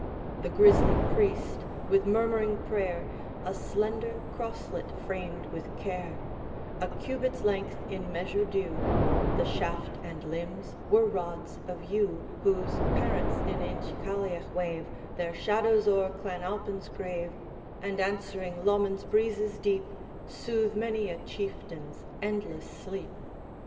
The grisly priest, with murmuring prayer, A slender crosslet framed with care, A cubit's length in measure due; The shaft and limbs were rods of yew, Whose parents in Inch Cailliach wave Their shadows o'er Clan Alpine's grave, And, answering Lomond's breezes deep, Soothe many a chieftain's endless sleep.